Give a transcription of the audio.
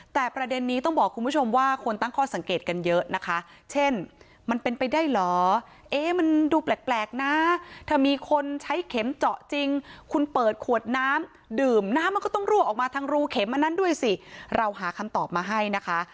แต่ประเด็นนี้ต้องบอกคุณผู้ชมว่าคนตั้งข้อสังเกตกันเยอะนะคะเช่นมันเป็นไปได้เหรอเอ๊ะมันดูแปลกนะถ้ามีคนใช้เข็มเจาะจริงคุณเปิดขวดน้ำดื่มน้ำมันก็ต้องรั่วออกมาทางรูเข็มอันนั้นด้วยสิเราหาคำตอบมาให้นะคะ